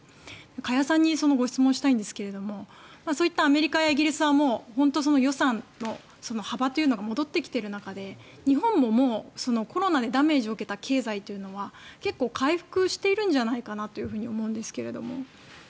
加谷さんにご質問したいんですがそういったアメリカやイギリスは予算の幅というのが戻ってきている中で日本もコロナでダメージを受けた経済は結構、回復してきているんじゃないかなと思うんですが。